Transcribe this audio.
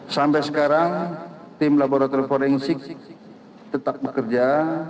sampai sekarang tim laboratorium forensik tetap bekerja